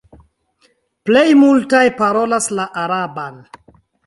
Plej multaj parolas la araban.